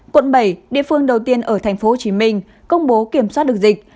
quận bảy địa phương đầu tiên ở tp hcm công bố kiểm soát được dịch